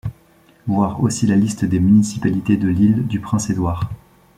Voir aussi la liste des municipalités de l'Île-du-Prince-Édouard.